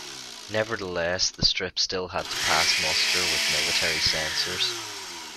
Nevertheless, the strip still had to pass muster with military censors.